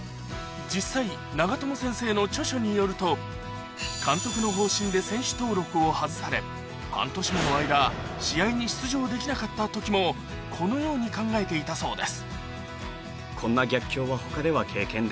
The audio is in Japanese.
実際長友先生の著書によると監督の方針で半年もの間試合に出場できなかった時もこのように考えていたそうです